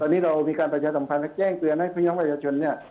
ตอนนี้เรามีการประชาสัมพันธ์และแจ้งเตือนให้พี่น้องประชาชนเนี่ย